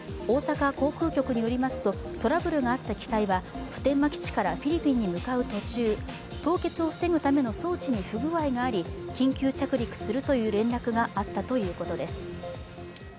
大阪航空局によりますとトラブルがあった機体は普天間基地からフィリピンに向かう途中、凍結を防ぐための装置に不具合があり緊急着陸するという連絡があったということです。